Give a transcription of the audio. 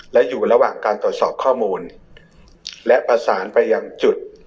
และอยู่ระหว่างการตรวจสอบข้อมูลและประสานไปยังจุด